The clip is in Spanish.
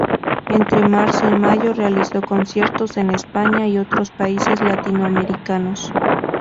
Entre marzo y mayo, realizó conciertos en España y otros países latinoamericanos.